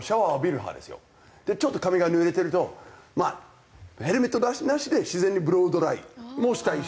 ちょっと髪が濡れてるとまあヘルメットなしで自然にブロードライもしたいし。